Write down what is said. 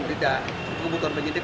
tidak kebutuhan penyitik